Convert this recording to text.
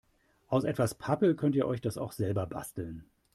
Aus etwas Pappe könnt ihr euch das auch selber basteln.